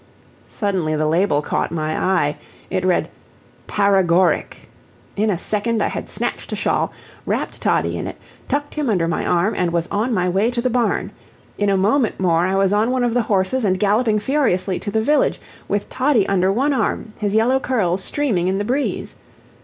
Suddenly the label caught my eye it read PAREGORIC. In a second I had snatched a shawl, wrapped Toddie in it, tucked him under my arm, and was on my way to the barn. In a moment more I was on one of the horses and galloping furiously to the village, with Toddie under one arm, his yellow curls streaming in the breeze.